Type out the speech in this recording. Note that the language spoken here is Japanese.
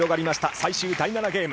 最終第７ゲーム。